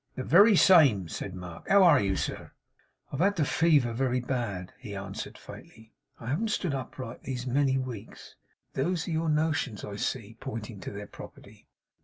'The very same,' said Mark. 'How are you, sir?' 'I've had the fever very bad,' he answered faintly. 'I haven't stood upright these many weeks. Those are your notions I see,' pointing to their property.